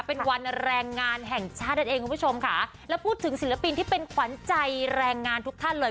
เป็นวันแรงงานแห่งชาตินั่นเองคุณผู้ชมค่ะแล้วพูดถึงศิลปินที่เป็นขวัญใจแรงงานทุกท่านเลย